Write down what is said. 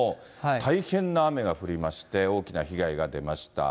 大変な雨が降りまして、大きな被害が出ました。